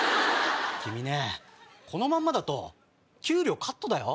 君ねこのまんまだと給料カットだよ。